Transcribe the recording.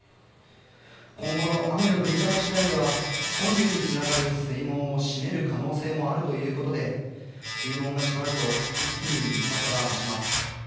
今後の雨の降り方次第では、本流につながる水門を閉める可能性もあるということで、水門が閉まると一気に水かさが増します。